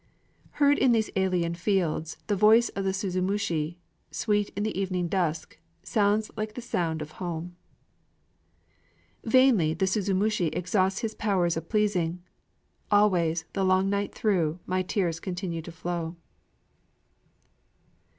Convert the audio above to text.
Heard in these alien fields, the voice of the suzumushi, Sweet in the evening dusk, sounds like the sound of home. Vainly the suzumushi exhausts its powers of pleasing, Always, the long night through, my tears continue to flow!